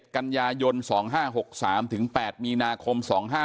กันยายน๒๕๖๓ถึง๘มีนาคม๒๕๖